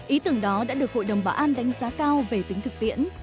ý tưởng đó đã được hội đồng bảo an đánh giá cao về tính thực tiễn